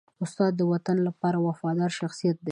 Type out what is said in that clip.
استاد د وطن لپاره وفادار شخصیت دی.